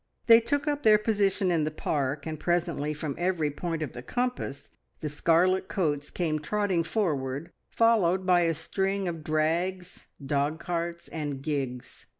They took up their position in the park, and presently from every point of the compass the scarlet coats came trotting forward, followed by a string of drags, dogcarts, and gigs.